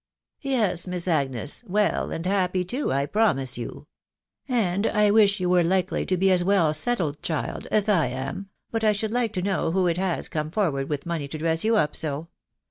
" Yes, Miss Agnes ; well, and happy too, I promise you ; and I wish you were likely to be as well settled, child, as I am. But I should like to know who it is has come forward with money to dress you up so?